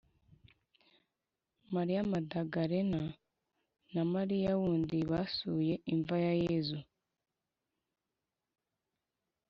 Mariya Magadalena na Mariya wundi basuye imva ya yezu.